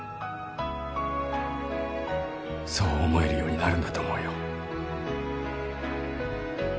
そう思えるようになるんだと思うよ。